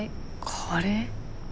カレー？